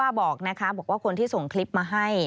บอกนะคะบอกว่าคนที่ส่งคลิปมาให้